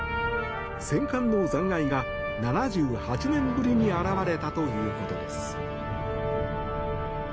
戦艦の残骸が７８年ぶりに現れたということです。